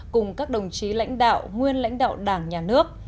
cùng các đồng chí lãnh đạo nguyên lãnh đạo đảng nhà nước